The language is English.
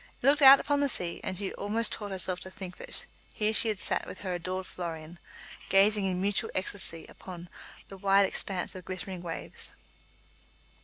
It looked out upon the sea, and she had almost taught herself to think that here she had sat with her adored Florian, gazing in mutual ecstasy upon the "wide expanse of glittering waves."